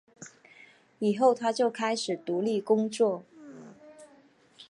以后他就开始独立工作。